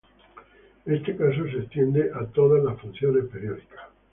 Este caso se extiende a todas las funciones periódicas.